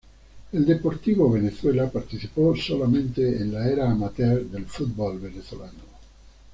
El Deportivo Venezuela participó solamente en la Era amateur del Fútbol venezolano.